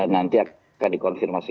nanti akan dikonfirmasi